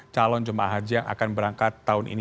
calon jemaah haji yang akan berangkat tahun ini